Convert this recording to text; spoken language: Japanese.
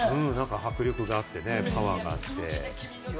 迫力があって、パワーがあって。